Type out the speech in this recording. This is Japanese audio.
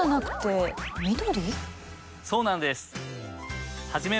そうなんです！